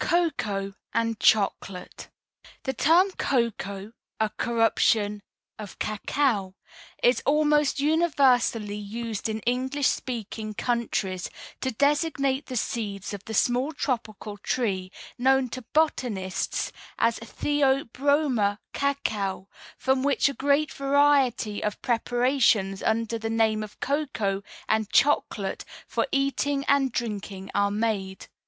] Cocoa and Chocolate The term "Cocoa," a corruption of "Cacao," is almost universally used in English speaking countries to designate the seeds of the small tropical tree known to botanists as THEOBROMA CACAO, from which a great variety of preparations under the name of cocoa and chocolate for eating and drinking are made.